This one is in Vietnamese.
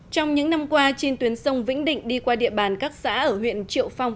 trong những năm qua trên tuyến sông vĩnh định đi qua địa bàn các xã ở huyện triệu phong